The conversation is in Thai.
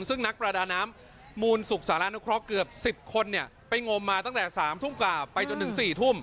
ซึ่งนักประดาน้ำมูลสุขสารนุเคราะห์เกือบ๑๐คนไปงมมาตั้งแต่๓ทุ่มกว่าไปจนถึง๔ทุ่ม